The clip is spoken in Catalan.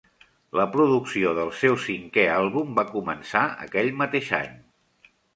La producció del seu cinquè àlbum va començar aquell mateix any.